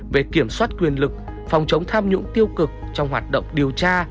về kiểm soát quyền lực phòng chống tham nhũng tiêu cực trong hoạt động điều tra